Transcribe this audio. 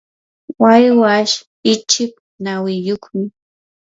waywash ichik nawiyuqmi.